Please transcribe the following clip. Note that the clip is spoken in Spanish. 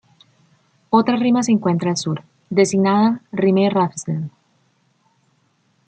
Otra rima se encuentra al sur, designada Rimae Ramsden.